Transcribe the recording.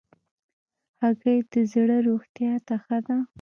هګۍ د زړه روغتیا ته ښه ده.